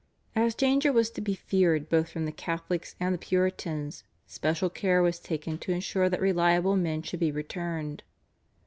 As danger was to be feared both from the Catholics and the Puritans special care was taken to ensure that reliable men should be returned.